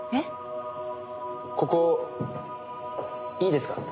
ここいいですか？